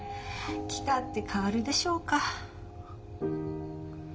来たって変わるでしょうか。